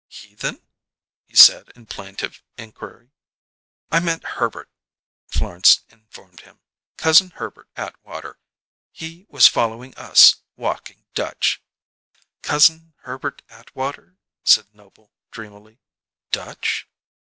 "'Heathen'?" he said, in plaintive inquiry. "I meant Herbert," Florence informed him. "Cousin Herbert Atwater. He was following us, walking Dutch." "'Cousin Herbert Atwater'?" said Noble dreamily. "'Dutch'?"